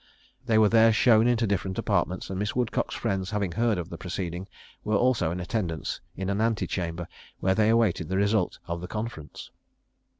They were there shown into different apartments; and Miss Woodcock's friends having heard of the proceeding, were also in attendance in an ante chamber, where they awaited the result of the conference.